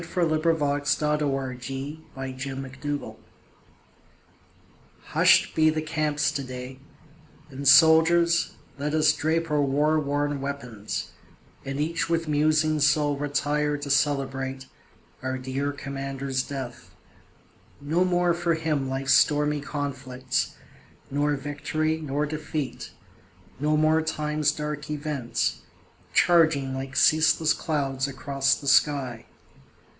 HUSH'D BE THE CAMPS TO DAY (May 4, 1865) Hush'd be the camps to day, And soldiers let us drape our war worn weapons, And each with musing soul retire to celebrate, Our dear commander's death. No more for him life's stormy conflicts, Nor victory, nor defeat no more time's dark events, Charging like ceaseless clouds across the sky.